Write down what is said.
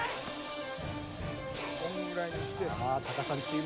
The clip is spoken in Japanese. このぐらいにして。